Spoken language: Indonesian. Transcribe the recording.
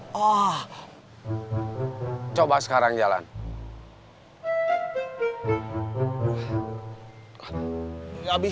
pokoknya okel kak eh